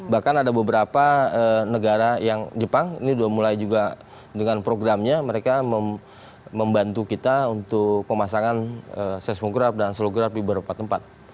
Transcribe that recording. bahkan ada beberapa negara yang jepang ini sudah mulai juga dengan programnya mereka membantu kita untuk pemasangan seismograf dan slograf di beberapa tempat